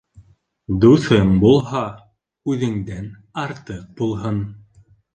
Дуҫың булһа, үҙеңдән артыҡ булһын.